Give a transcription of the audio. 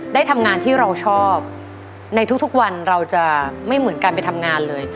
ได้ทำงานที่เราชอบในทุกวันเราจะไม่เหมือนการไปทำงานเลย